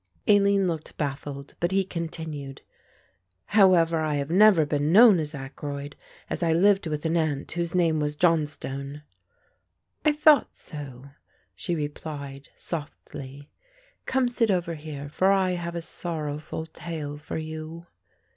Aline looked baffled, but he continued, "However, I have never been known as Ackroyd, as I lived with an Aunt whose name was Johnstone." "I thought so," she replied softly. "Come sit over here, for I have a sorrowful tale for you."